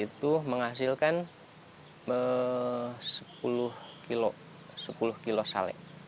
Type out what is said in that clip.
itu menghasilkan sepuluh kilo sale